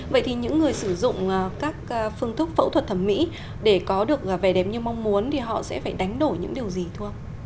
vậy thì những người sử dụng các phương thức phẫu thuật thẩm mỹ để có được vẻ đẹp như mong muốn thì họ sẽ phải đánh đổi những điều gì thưa ông